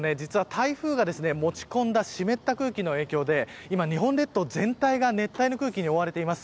台風が持ち込んだ湿った空気の影響で日本列島全体が熱帯の空気に覆われています。